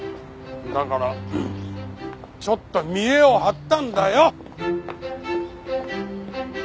だからちょっと見えを張ったんだよ！